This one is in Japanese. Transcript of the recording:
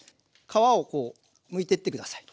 皮をこうむいてって下さい。